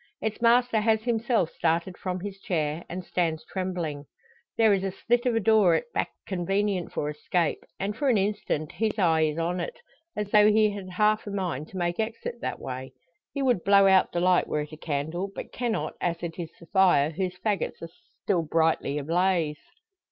Its master has himself started from his chair, and stands trembling. There is a slit of a door at back convenient for escape; and for an instant his eye is on it, as though he had half a mind to make exit that way. He would blow out the light were it a candle; but cannot as it is the fire, whose faggots are still brightly ablaze.